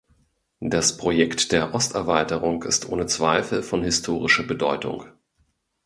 Das Projekt der Osterweiterung ist ohne Zweifel von historischer Bedeutung.